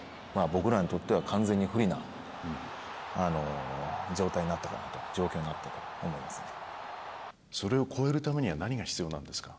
僕らにとっては完全に不利な状態になったかなと状況になったと思いますね。